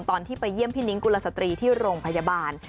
ตอนที่ไปเยี่ยมพี่นิ้งกุลสตรีที่โรงพยาบาล